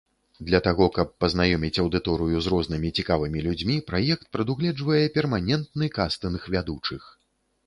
Для таго, каб пазнаёміць аўдыторыю з рознымі цікавымі людзьмі, праект прадугледжвае перманентны кастынг вядучых.